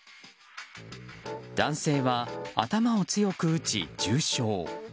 男性は頭を強く打ち重傷。